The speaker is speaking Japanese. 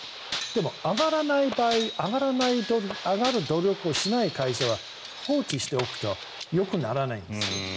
でも上がらない場合上がる努力をしない会社は放置しておくとよくならないんですよ。